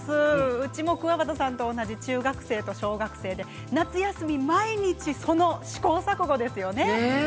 うちもくわばたさんと同じ中学生と小学生で、夏休み毎日その試行錯誤ですよね。